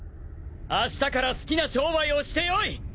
あしたから好きな商売をしてよい！